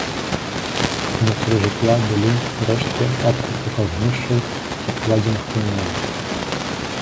Унутры жытла былі рэшткі адкрытых агнішчаў, абкладзеных камянямі.